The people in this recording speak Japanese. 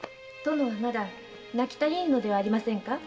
〔殿はまだ泣き足りぬのではありませんか？